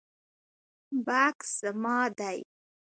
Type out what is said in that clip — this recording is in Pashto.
بکس زما دی